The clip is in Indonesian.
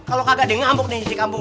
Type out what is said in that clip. kalo kagak deh ngambuk deh dikambung